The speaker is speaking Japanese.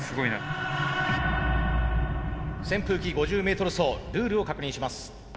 扇風機５０メートル走ルールを確認します。